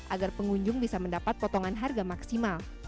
agar pengunjung bisa mendapat potongan harga maksimal